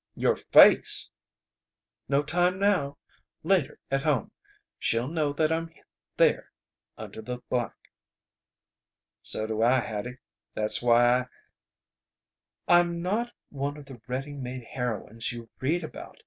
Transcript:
"Your face!" "No time now. Later at home! She'll know that I'm there under the black!" "So do I, Hattie. That's why I " "I'm not one of the ready made heroines you read about.